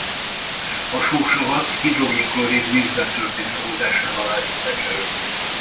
A sósavat hidrogén-klorid vízben történő oldásával állítják elő.